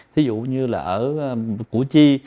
ví dụ như là ở củ chi